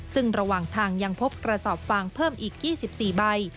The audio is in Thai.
ซึ่งระหว่างทางยังพบกระสอบฟางเพิ่มอีก๒๔ใบ